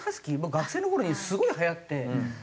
学生の頃にすごい流行って。